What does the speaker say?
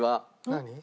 何？